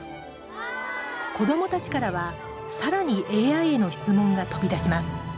子どもたちからはさらにＡＩへの質問が飛び出しますはい！